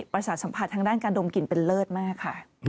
ประสาทสัมภาษณ์ทางด้านการดมกลิ่นเป็นเลิศมากค่ะ